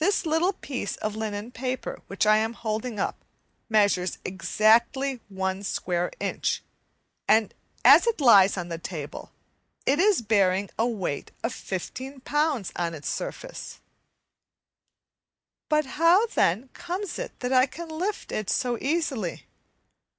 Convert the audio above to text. This little piece of linen paper, which I am holding up, measures exactly a square inch, and as it lies on the table, it is bearing a weight of 15 lbs. on its surface. But how, then, comes it that I can lift it so easily?